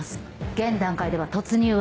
現段階では突入は。